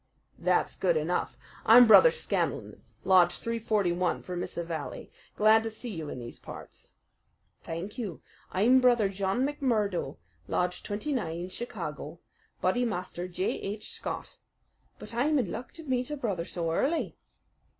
"That's good enough. I'm Brother Scanlan, Lodge 341, Vermissa Valley. Glad to see you in these parts." "Thank you. I'm Brother John McMurdo, Lodge 29, Chicago. Bodymaster J.H. Scott. But I am in luck to meet a brother so early."